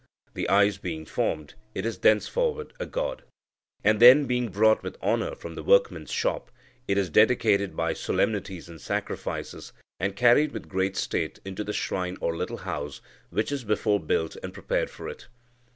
The eyes being formed, it is thenceforward a god. And then, being brought with honour from the workman's shop, it is dedicated by solemnities and sacrifices, and carried with great state into the shrine or little house, which is before built and prepared for it."